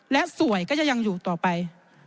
และสวยก็จะยังอยู่ต่อไป